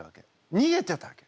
にげてたわけ。